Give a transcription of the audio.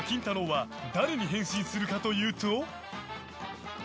は誰に変身するかというと。